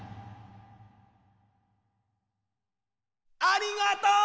ありがとう！